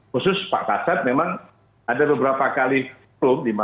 khusus pak kasad memang ada beberapa kali klub